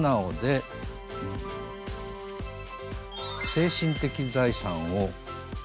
精神的財産。